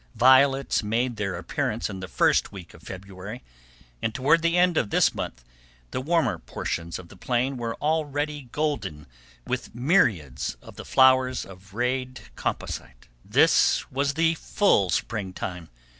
Violets made their appearance in the first week of February, and toward the end of this month the warmer portions of the plain were already golden with myriads of the flowers of rayed composite. This was the full springtime.